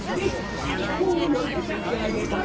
じいがほんをよんでさしあげます。